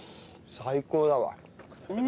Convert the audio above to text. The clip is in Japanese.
最高だわ。